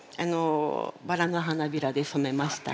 バラの花びらで染めました。